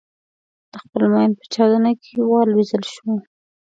د خپل ماین په چاودنه کې والوزول شو.